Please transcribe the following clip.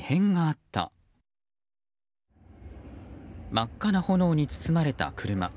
真っ赤な炎に包まれた車。